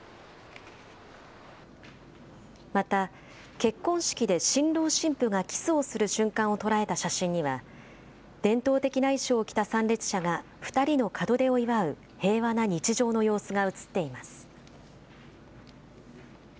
また結婚式で新郎新婦がキスをする瞬間を捉えた写真には伝統的な衣装を着た参列者が２人の門出を祝う平和な日常の様子が写っています。